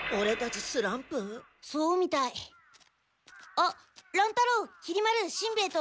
あっ乱太郎きり丸しんべヱと